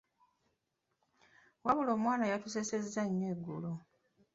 Wabula omwana yatusesezza nnyo eggulo.